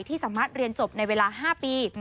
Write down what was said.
สามารถเรียนจบในเวลา๕ปี